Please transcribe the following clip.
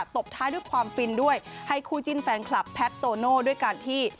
ตบท้ายด้วยความฟินด้วยให้คู่จิ้นแฟนคลับแพทย์โตโน่ด้วยการที่